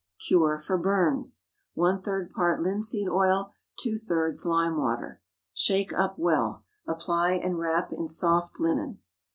CURE FOR BURNS. One third part linseed oil. Two thirds lime water. Shake up well; apply and wrap in soft linen.